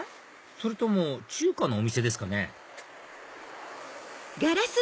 それとも中華のお店ですかね